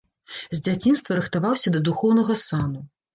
З дзяцінства рыхтаваўся да духоўнага сану.